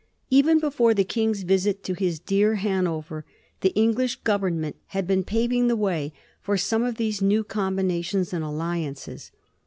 Even before the King's visit to his dear Hanover the English Government had been paving the way for some of these new combinations and alliances.